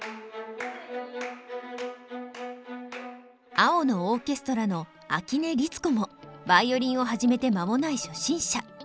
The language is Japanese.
「青のオーケストラ」の秋音律子もヴァイオリンを始めて間もない初心者。